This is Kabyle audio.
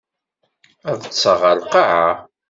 Ad ṭṭseɣ ɣer lqaεa.